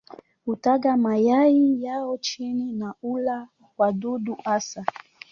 Hutaga mayai yao chini na hula wadudu hasa.